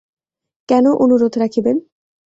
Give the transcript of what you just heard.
কেন অনুরোধ রাখিবেন?